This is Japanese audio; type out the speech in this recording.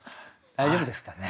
大丈夫ですかね？